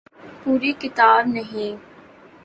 پوری کتاب نہیں۔